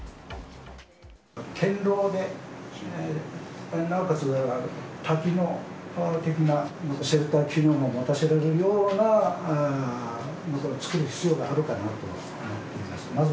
堅ろうで、なおかつ多機能的なシェルター機能を持たせられるような、作る必要があるかなと思っています。